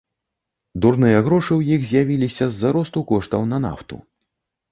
Дурныя грошы ў іх з'явіліся з-за росту коштаў на нафту.